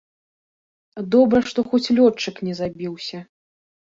Добра, што хоць лётчык не забіўся.